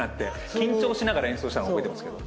緊張しながら演奏したのを覚えてますけど。